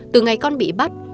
từ ngày con bị bắt